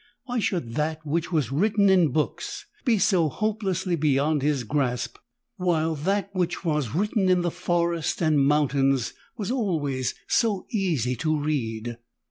Why should that which was written in books be so hopelessly beyond his grasp while that which was written in the forest and mountains was always so easy to read?